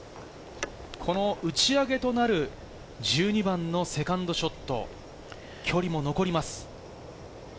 この打ち上げとなる１２番のセカンドショット、距離も残ります。